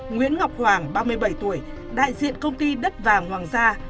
nguyễn ngọc hoàng ba mươi bảy tuổi đại diện công ty đất vàng hoàng gia